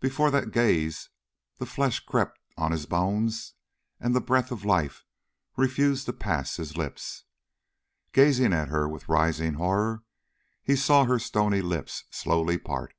Before that gaze the flesh crept on his bones and the breath of life refused to pass his lips. Gazing at her with rising horror, he saw her stony lips slowly part.